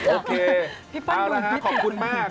โอเคเอาละครับขอบคุณมาก